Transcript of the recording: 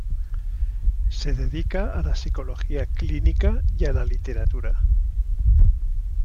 Se dedica a la psicología clínica y a la literatura.